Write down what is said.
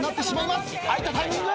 開いたタイミング。